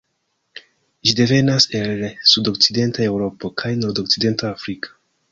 Ĝi devenas el sudokcidenta Eŭropo kaj nordokcidenta Afriko.